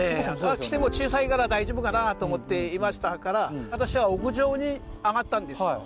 来ても小さいから大丈夫かなと思っていましたから、私は屋上に上がったんですよ。